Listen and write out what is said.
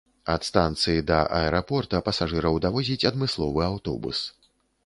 Ад станцыі да аэрапорта пасажыраў давозіць адмысловы аўтобус.